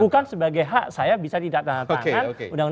bukan sebagai hak saya bisa tidak tanda tangan